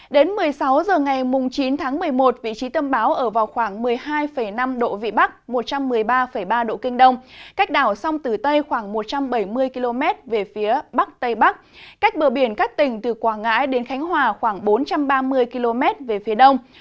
đến một mươi sáu h ngày chín tháng một mươi một vị trí tâm bão ở vào khoảng một mươi hai năm độ vị bắc một trăm một mươi ba ba độ kinh đông cách đảo sông tử tây khoảng một trăm bảy mươi km về phía bắc tây bắc cách bờ biển các tỉnh từ quảng ngãi đến khánh hòa khoảng bốn trăm ba mươi km về phía đông